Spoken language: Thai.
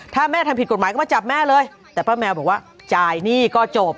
ถ้าแม่ทำผิดกฎหมายก็มาจับแม่เลยแต่ป้าแมวบอกว่าจ่ายหนี้ก็จบ